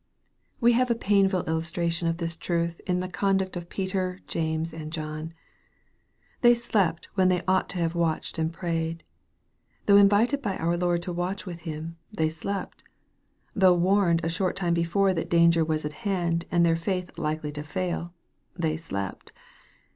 We have a painful illustration of this truth in the conduct of Peter, James, and John. They slept when they ought to have watched and prayed. Though invited by our Lord to watch with Him, they slept. Though warned a short time before that danger was at hand, and their faith likely to fail, they slept.